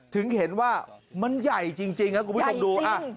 ถึงเห็นว่ามันใหญ่จริงครับคุณผู้ชมดู